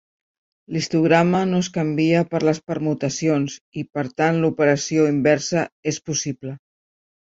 L'histograma no es canvia per les permutacions i per tant l'operació inversa és possible.